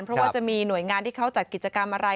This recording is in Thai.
เพราะว่าจะมีหน่วยงานที่เขาจัดกิจกรรมอะไร